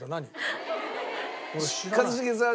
一茂さん